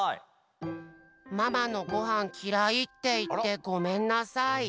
「ままのごはんきらいっていってごめんなさい。